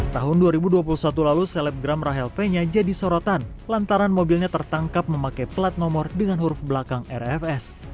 tahun dua ribu dua puluh satu lalu selebgram rahel fenya jadi sorotan lantaran mobilnya tertangkap memakai plat nomor dengan huruf belakang rfs